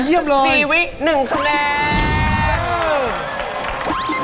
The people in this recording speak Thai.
เยี่ยมเลยนะครับ๔วิ๑คะแนน